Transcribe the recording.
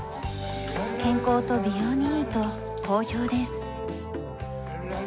健康と美容にいいと好評です。